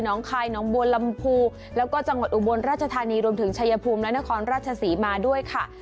คายน้องบัวลำพูแล้วก็จังหวัดอุบลราชธานีรวมถึงชายภูมิและนครราชศรีมาด้วยค่ะ